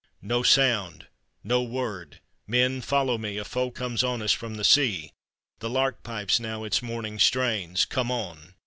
"No sound! no word! Men, follow me, A foe comes on us from the sea ; The lark pipes now its morning strains; Come on